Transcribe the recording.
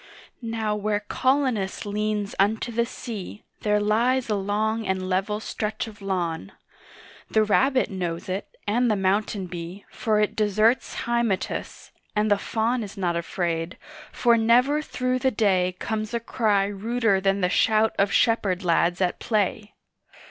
Now where Colonos leans unto the sea There lies a long and level stretch of lawn; The rabbit knows it, and the mountain bee For it deserts Hymettus, and the Faun Is not afraid, for never through the day Comes a cry ruder than the shout of shepherd lads at play.